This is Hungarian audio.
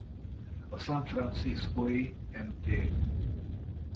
A San Fransiscó-i Mt.